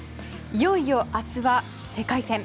いよいよ明日は世界戦。